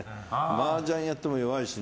マージャンやっても弱いですし。